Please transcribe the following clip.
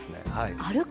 歩く